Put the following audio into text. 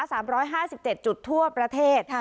สามร้อยห้าสิบเจ็ดจุดทั่วประเทศค่ะ